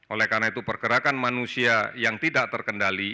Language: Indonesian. oleh karena itu pergerakan manusia yang tidak terkendali